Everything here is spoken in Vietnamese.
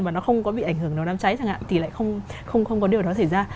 mà nó không có bị ảnh hưởng đến đám cháy chẳng hạn thì lại không có điều đó xảy ra